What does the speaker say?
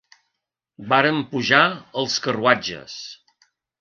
Vàrem pujar als carruatges